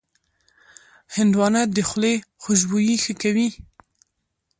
هندوانه د خولې خوشبويي ښه کوي.